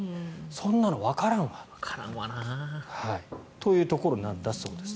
そんなのわからんわ。というところだそうです。